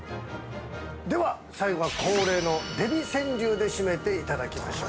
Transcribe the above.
◆では、最後は恒例のデヴィ川柳で締めていただきましょう。